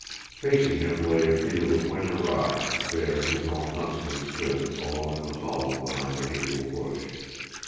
Facing him lay a field of winter rye, there his own huntsman stood alone in a hollow behind a hazel bush.